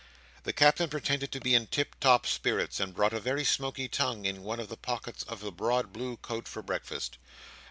The Captain pretended to be in tip top spirits, and brought a very smoky tongue in one of the pockets of the broad blue coat for breakfast.